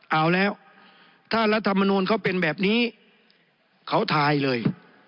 เอาแล้วถ้ารัฐมนูลเขาเป็นแบบนี้เขาทายเลย